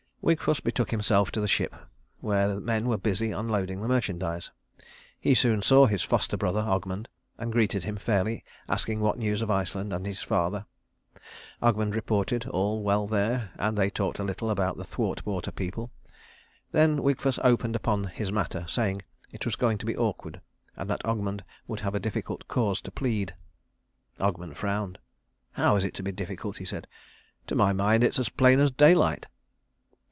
Wigfus betook himself to the ship where men were busy unloading the merchandise. He soon saw his foster brother Ogmund, and greeted him fairly, asking what news of Iceland and his father. Ogmund reported all well there, and they talked a little about the Thwartwater people. Then Wigfus opened upon his matter, saying it was going to be awkward, and that Ogmund would have a difficult cause to plead. Ogmund frowned. "How is it to be difficult?" he said. "To my mind it's as plain as daylight."